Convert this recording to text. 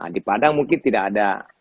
di padang mungkin tidak ada